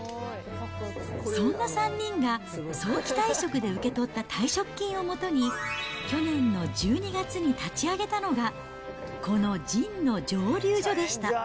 そんな３人が、早期退職で受け取った退職金をもとに、去年の１２月に立ち上げたのがこのジンの蒸留所でした。